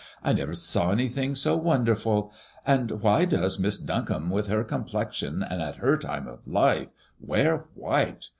I never saw anything so won derful ; and why does Miss Duncombe, with her complexion, and at her time of life, wear white?